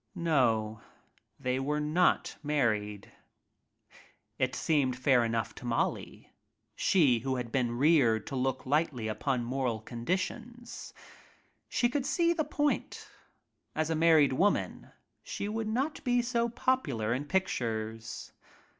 No, they were not married. It seemed fair enough to Molly, she who had been reared to look lightly upon moral conditions. She could see the point. As a married woman she would not be so popular in pictures.